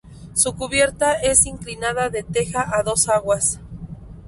Su cubierta es inclinada de teja a dos aguas.